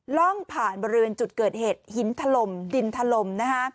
ร่องผ่านบริเวณจุดเกิดเหตุหินถล่มดินถล่ม